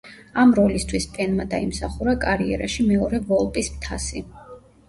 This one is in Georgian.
ამ როლისთვის პენმა დაიმსახურა კარიერაში მეორე ვოლპის თასი.